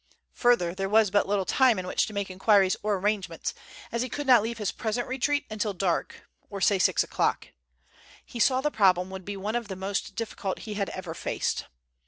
Further, there was but little time in which to make inquiries or arrangements, as he could not leave his present retreat until dark, or say six o'clock. He saw the problem would be one of the most difficult he had ever faced.